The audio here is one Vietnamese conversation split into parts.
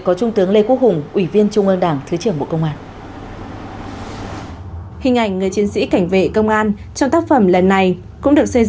các học viên tham gia lớp tập huấn sẽ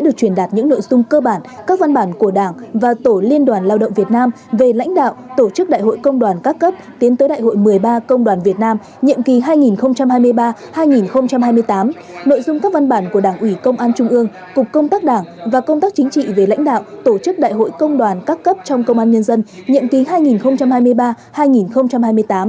được truyền đạt những nội dung cơ bản các văn bản của đảng và tổ liên đoàn lao động việt nam về lãnh đạo tổ chức đại hội công đoàn các cấp tiến tới đại hội một mươi ba công đoàn việt nam nhiệm kỳ hai nghìn hai mươi ba hai nghìn hai mươi tám nội dung các văn bản của đảng ủy công an trung ương cục công tác đảng và công tác chính trị về lãnh đạo tổ chức đại hội công đoàn các cấp trong công an nhân dân nhiệm kỳ hai nghìn hai mươi ba hai nghìn hai mươi tám